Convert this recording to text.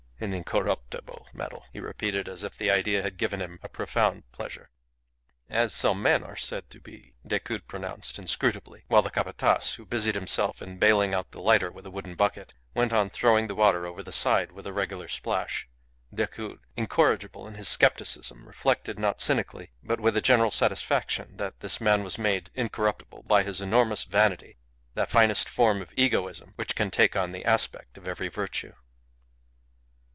... An incorruptible metal," he repeated, as if the idea had given him a profound pleasure. "As some men are said to be," Decoud pronounced, inscrutably, while the Capataz, who busied himself in baling out the lighter with a wooden bucket, went on throwing the water over the side with a regular splash. Decoud, incorrigible in his scepticism, reflected, not cynically, but with general satisfaction, that this man was made incorruptible by his enormous vanity, that finest form of egoism which can take on the aspect of every virtue.